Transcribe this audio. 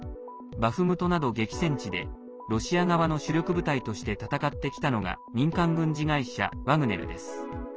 バフムトなど激戦地でロシア側の主力部隊として戦ってきたのが民間軍事会社ワグネルです。